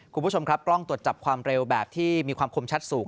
คุณผู้ชมครับกล้องตรวจจับความเร็วแบบที่มีความคมชัดสูง